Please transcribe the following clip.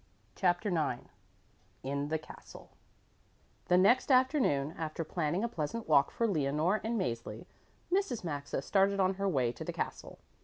CHAPTER IX IN THE CASTLE The next afternoon, after planning a pleasant walk for Leonore and Mäzli, Mrs. Maxa started on her way to the castle.